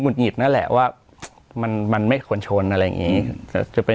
หงิดนั่นแหละว่ามันมันไม่ควรชนอะไรอย่างงี้แต่จะเป็น